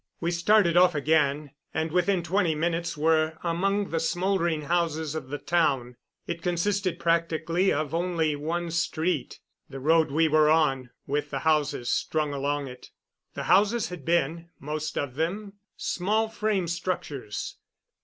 We started off again, and within twenty minutes were among the smoldering houses of the town. It consisted practically of only one street the road we were on with the houses strung along it. The houses had been, most of them, small frame structures.